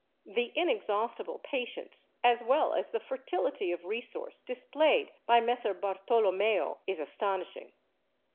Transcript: The inexhaustible patience as well as the fertility of resource displayed by Messer Bartolommeo is astonishing.